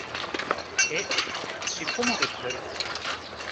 え、しっぽまで食べるの？